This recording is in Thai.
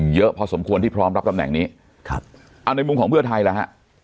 เยอะพอสมควรที่พร้อมรับตำแหน่งนี้ครับเอาในมุมของเพื่อไทยล่ะฮะ